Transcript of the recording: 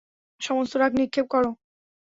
সমস্ত রাগ নিক্ষেপ কর।